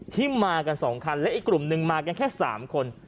ที่มากัน๒คันและอีกกลุ่มนึงมากันแค่๓คน